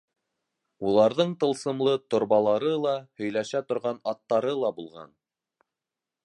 Уларҙың тылсымлы торбалары ла, һөйләшә торған аттары ла булған.